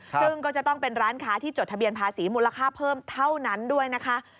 ซึ่งก็จะต้องเป็นร้านค้าที่จดทะเบียนภาษีมูลค่าเพิ่มเท่านั้นด้วยนะคะ